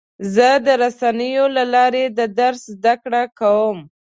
زه د رسنیو له لارې د درس زده کړه کوم.